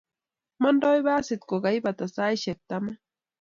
Mondoi basit ko kaibata saishek taman